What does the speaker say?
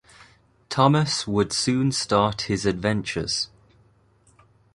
Thomas would soon start his adventures.